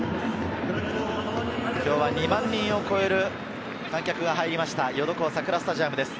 今日は２万人を超える観客が入りましたヨドコウ桜スタジアムです。